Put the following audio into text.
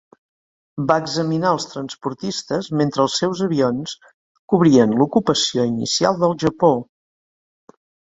Va examinar els transportistes mentre els seus avions cobrien l'ocupació inicial del Japó.